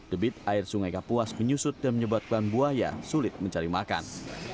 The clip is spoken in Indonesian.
debit air sungai kapuas menyusut dan menyebabkan buaya sulit mencari makan